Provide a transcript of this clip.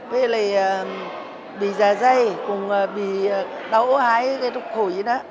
tôi thì bị giả dây cũng bị đau ổ hái rụt khổi đó